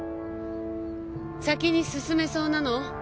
先に進めそうなの？